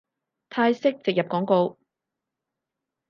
泰式植入廣告